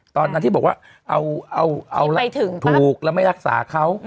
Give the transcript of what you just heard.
ตอนนั้นที่บอกว่าเอาล่ะถูกแล้วไม่รักษาเขา